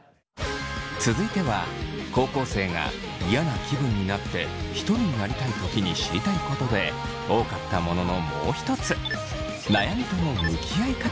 続いては高校生が嫌な気分になってひとりになりたいときに知りたいことで多かったもののもう一つ。